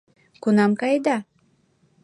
Кунам каеда?